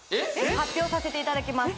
発表させていただきます